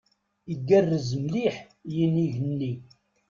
Igerrez mliḥ yinig-nni.